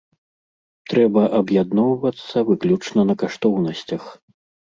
Трэба аб'ядноўвацца выключна на каштоўнасцях.